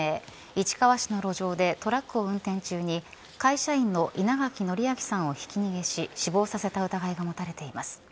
市川市の路上でトラックを運転中に会社員の稲垣徳昭さんをひき逃げし死亡させた疑いが持たれています。